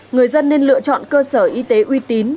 người dân nên lựa chọn cơ sở y tế uy tín